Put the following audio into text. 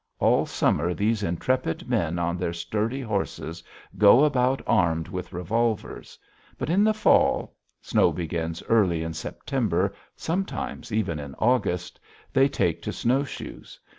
All summer these intrepid men on their sturdy horses go about armed with revolvers. But in the fall snow begins early in September, sometimes even in August they take to snowshoes.